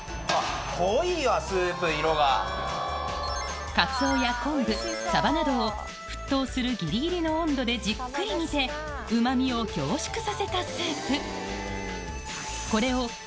濃いわスープ色が。などを沸騰するギリギリの温度でじっくり煮てうまみを凝縮させたスープ